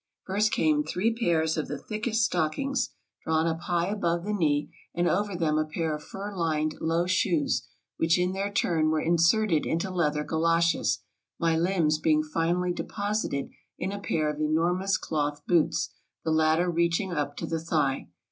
First came three pairs of the thickest stockings, drawn up high above the knee, and over them a pair of fur lined low shoes, which in their turn were inserted into leather galoshes, my limbs being finally deposited in a pair of enormous cloth boots, the latter reaching up to the thigh.